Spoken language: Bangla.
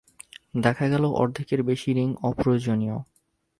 দেখা গেল অর্ধেকের বেশি রিং অপ্রয়োজনীয়।